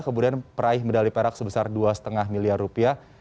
kemudian peraih medali perak sebesar dua lima miliar rupiah